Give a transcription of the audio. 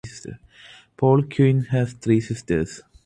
Paul Quine has three sisters.